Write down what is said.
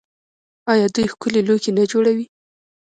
آیا دوی ښکلي لوښي نه جوړوي؟